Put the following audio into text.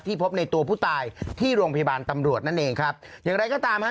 พบในตัวผู้ตายที่โรงพยาบาลตำรวจนั่นเองครับอย่างไรก็ตามฮะ